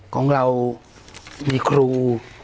ของเรามีครู